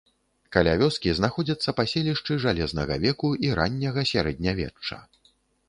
Каля вёскі знаходзяцца паселішчы жалезнага веку і ранняга сярэднявечча.